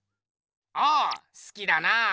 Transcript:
ああすきだなぁ。